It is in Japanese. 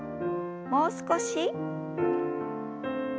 もう少し。